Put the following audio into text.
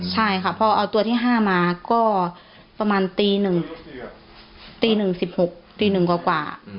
ใช่ค่ะพอเอาตัวที่ห้ามาก็ประมาณตีหนึ่งตีหนึ่งสิบหกตีหนึ่งกว่ากว่า